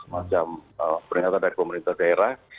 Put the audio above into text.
macam pernyataan dari pemerintah daerah